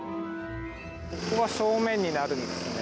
ここが正面になるんですね。